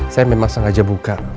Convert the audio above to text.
saya memang sengaja buka